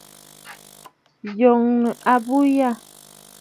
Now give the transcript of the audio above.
Yòŋə abuu yâ.